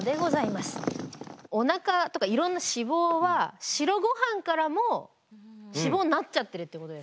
お腹とかいろんな脂肪は白ごはんからも脂肪になっちゃってるってことですか？